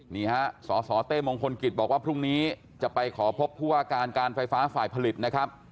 นี่ฮะสสเต้มงคลกิจบอกว่าพรุ่งนี้จะไปขอพบผู้ว่าการการไฟฟ้าฝ่ายผลิตนะครับ